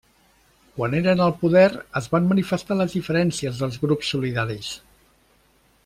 Quan eren al poder es van manifestar les diferències dels grups solidaris.